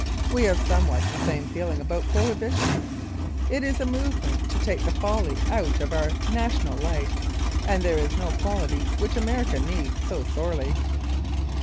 We have somewhat the same feeling about prohibition. It is a movement to take the folly out of our national life and there is no quality which America needs so sorely.